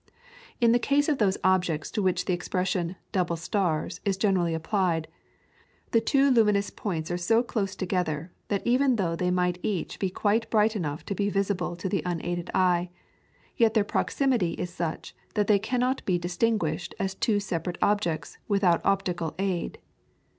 In the case of those objects to which the expression "Double Stars" is generally applied, the two luminous points are so close together that even though they might each be quite bright enough to be visible to the unaided eye, yet their proximity is such that they cannot be distinguished as two separate objects without optical aid.